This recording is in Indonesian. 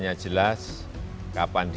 yes ya melepaskan kepadanya